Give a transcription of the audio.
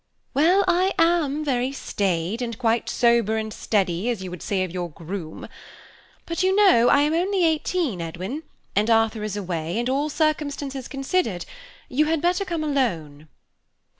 "Well, I am very staid, and quite sober and steady, as you would say of your groom; but you know I am only eighteen, Edwin, and Arthur is away, and all circumstances considered, you had better come alone."